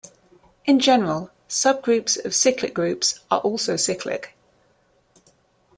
In general, subgroups of cyclic groups are also cyclic.